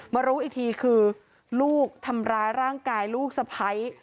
รู้อีกทีคือลูกทำร้ายร่างกายลูกสะพ้าย